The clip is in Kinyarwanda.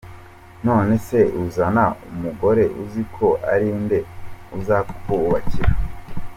None se uzana umugore uzi ko ari nde uzakubakira.